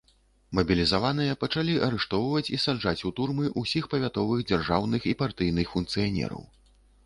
Мабілізаваныя пачалі арыштоўваць і саджаць у турмы усіх павятовых дзяржаўных і партыйных функцыянераў.